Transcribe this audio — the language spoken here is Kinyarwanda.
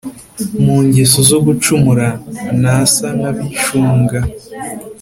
mu ngeso zo gucumura. ntasa n’abishunga